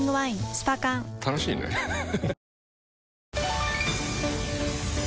スパ缶楽しいねハハハ